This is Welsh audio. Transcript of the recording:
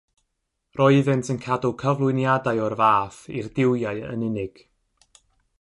Roeddent yn cadw cyflwyniadau o'r fath i'r duwiau yn unig.